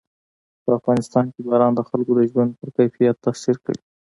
په افغانستان کې باران د خلکو د ژوند په کیفیت تاثیر کوي.